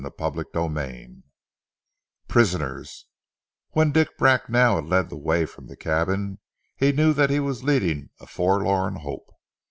CHAPTER XXIII PRISONERS WHEN Dick Bracknell had led the way from the cabin he knew that he was leading a forlorn hope.